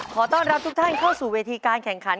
ขอต้อนรับทุกท่านเข้าสู่เวทีการแข่งขัน